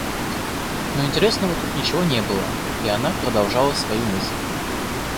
Но интересного тут ничего не было, и она продолжала свою мысль.